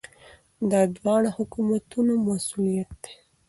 دا د دواړو حکومتونو مسؤلیت دی.